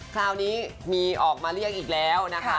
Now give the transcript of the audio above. คราวนี้มีออกมาเรียกอีกแล้วนะคะ